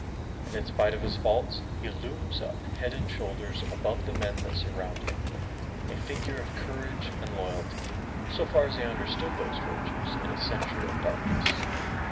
And in spite of his faults, he looms up head and shoulders above the men that surround him, a figure of courage and loyalty, so far as he understood those virtues in a century of darkness.